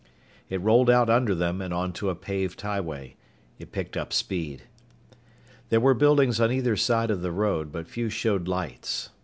It rolled out under them and onto a paved highway. It picked up speed. There were buildings on either side of the road, but few showed lights.